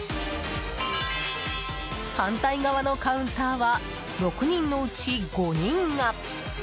反対側のカウンターは６人のうち５人が。